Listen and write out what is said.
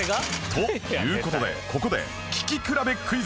という事でここで聴き比べクイズ